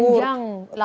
panjang lama juga lagi ya